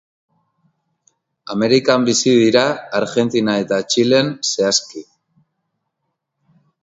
Amerikan bizi dira, Argentina eta Txilen, zehazki.